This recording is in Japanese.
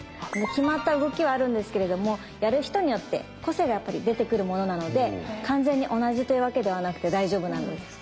決まった動きはあるんですけれどもやる人によって個性がやっぱり出てくるものなので完全に同じというわけではなくて大丈夫なんです。